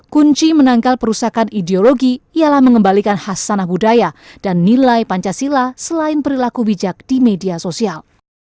kunci menangkal perusakan ideologi ialah mengembalikan khas sana budaya dan nilai pancasila selain perilaku bijak di media sosial